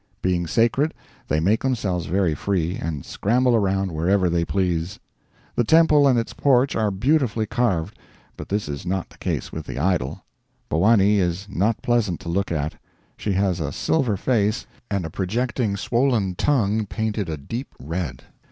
Being sacred, they make themselves very free, and scramble around wherever they please. The temple and its porch are beautifully carved, but this is not the case with the idol. Bhowanee is not pleasant to look at. She has a silver face, and a projecting swollen tongue painted a deep red.